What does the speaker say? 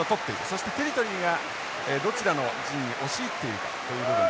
そしてテリトリーがどちらの陣に押し入っているかという部分です。